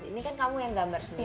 ini kan kamu yang gambar sendiri